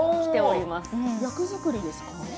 役作りですか？